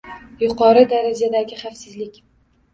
Yuqori darajadagi xavfsizlik